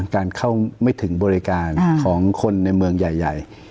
การเข้าไม่ถึงบริการของคนในเมืองใหญ่